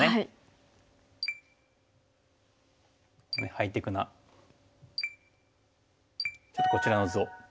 ハイテクなちょっとこちらの図を。